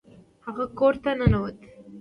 هغه کور ته ننوت.